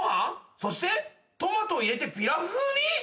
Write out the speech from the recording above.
そしてトマトを入れてピラフ風に！？